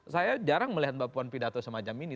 saya jarang melihat mbak puan pidato semacam ini